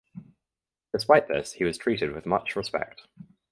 Despite this he was treated with much respect.